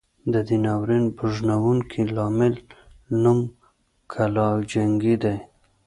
د دې ناورین بوږنوونکي ناول نوم کلا جنګي دی.